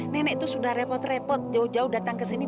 nenek itu sudah repot repot jauh jauh datang ke sini